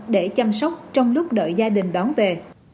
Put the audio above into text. để chăm sóc trong lúc đợi gia đình đón về